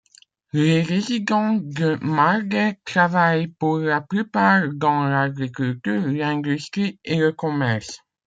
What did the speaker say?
Les résidents de Mhardeh travaillent pour la plupart dans l'agriculture, l'industrie et le commerce.